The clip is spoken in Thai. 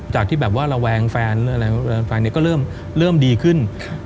จากที่แบบว่าระแวงแฟนก็เริ่มดีขึ้น